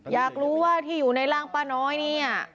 อยากรู้ว่าที่อยู่ในร่างป้าน้อยเนี่ย